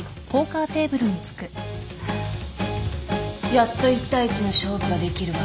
やっと１対１の勝負ができるわ。